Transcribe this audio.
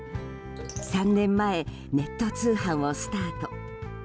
３年前、ネット通販をスタート。